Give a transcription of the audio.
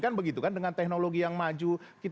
kan begitu kan dengan teknologi yang maju